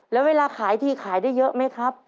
แล้วเวลาขายทีขายได้เยอะไหมครับ